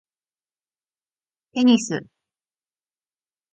テニス